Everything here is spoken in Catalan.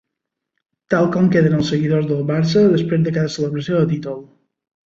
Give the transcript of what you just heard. Tal com queden els seguidors del Barça després de cada celebració de títol.